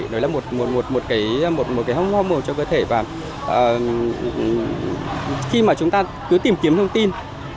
nó là một hông hông hồn trong cơ thể và khi mà chúng ta cứ tìm kiếm thông tin